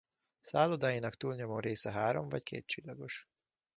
Szállodáinak túlnyomó része három vagy két csillagos.